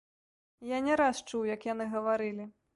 Я не раз чуў, як яны гаварылі.